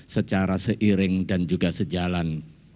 secara seiring dan juga sejalan